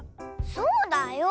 そうだよ！